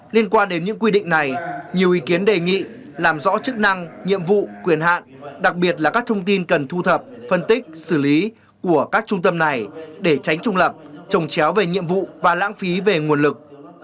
liên quan đến những quy định này nhiều ý kiến đề nghị làm rõ chức năng nhiệm vụ quyền hạn đặc biệt là các thông tin cần thu thập phân tích xử lý của các trung tâm này để tránh trung lập trồng chéo về nhiệm vụ và lãng phí về nguồn lực